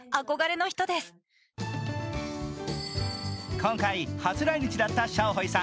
今回初来日だったシャオホイさん。